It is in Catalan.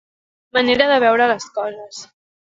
Manera de veure les coses.